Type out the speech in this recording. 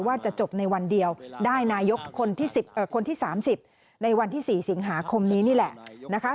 ว่าจะจบในวันเดียวได้นายกคนที่๓๐ในวันที่๔สิงหาคมนี้นี่แหละนะคะ